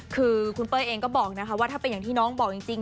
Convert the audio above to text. คือคุณเป้ยเองก็บอกนะคะว่าถ้าเป็นอย่างที่น้องบอกจริง